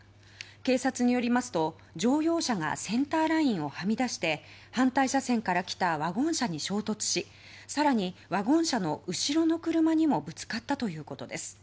警察によりますと乗用車がセンターラインをはみ出して反対車線から来たワゴン車に衝突し更に、ワゴン車の後ろの車にもぶつかったということです。